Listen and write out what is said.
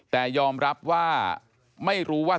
แต่ยอมรับว่าไม่รู้ว่า